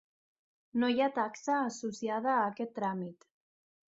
No hi ha taxa associada a aquest tràmit.